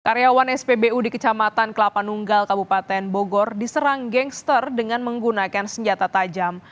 karyawan spbu di kecamatan kelapa nunggal kabupaten bogor diserang gangster dengan menggunakan senjata tajam